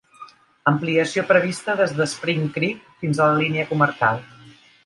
Ampliació prevista des de Spring Creek fins a la línia comarcal.